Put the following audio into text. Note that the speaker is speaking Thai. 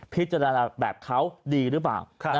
พิจารณาแบบเขาดีหรือเปล่า